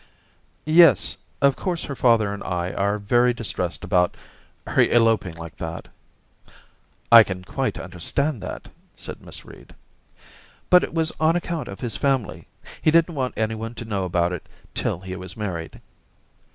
* Yes, of course her father and I are very distressed about — her eloping like that.' ' I can quite understand that,' said Miss Reed. * But it was on account of his family. He didn't want anyone to know about it till he was married.'